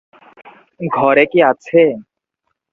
ঘরে কি আছে?